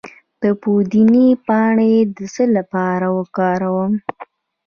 د پودینې پاڼې د څه لپاره وکاروم؟